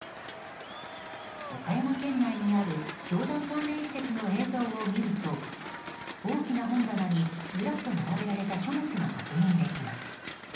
岡山県内にある教団関連施設の映像を見ると大きな本棚にずらっと並べられた書物が確認できます。